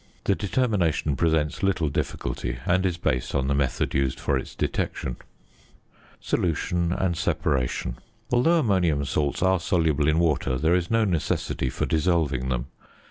The determination presents little difficulty, and is based on the method used for its detection. [Illustration: FIG. 61.] ~Solution and Separation.~ Although ammonium salts are soluble in water, there is no necessity for dissolving them.